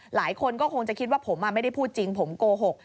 หลายคนก็คงจะคิดว่าผมไม่ได้พูดจริงผมโกหก